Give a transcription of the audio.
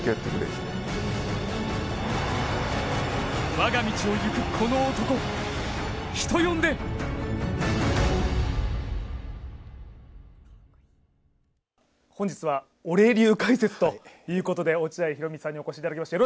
我が道を行くこの男人呼んで本日はオレ流解説ということで落合博満さんにお越しいただきました。